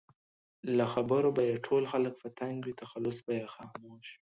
له خبرو به یې ټول خلک په تنګ وي؛ تخلص به یې خاموش وي